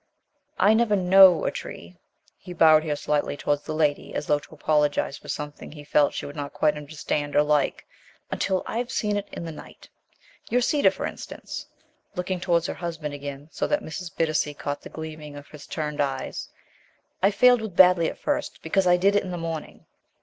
I never know a tree," he bowed here slightly towards the lady as though to apologize for something he felt she would not quite understand or like, "until I've seen it in the night. Your cedar, for instance," looking towards her husband again so that Mrs. Bittacy caught the gleaming of his turned eyes, "I failed with badly at first, because I did it in the morning.